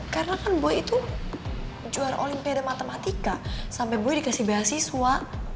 karena kan boy itu juara olimpiade matematika sampe boy dikasih beasiswa